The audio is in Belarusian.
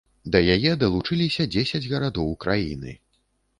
Да яе далучыліся дзесяць гарадоў краіны.